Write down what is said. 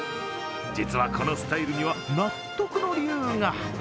実はこのスタイルには納得の理由が。